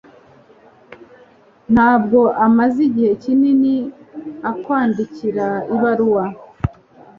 Ntabwo amaze igihe kinini akwandikira ibaruwa.